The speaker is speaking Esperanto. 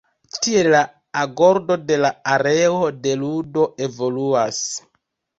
Tiel la agordo de la areo de ludo evoluas.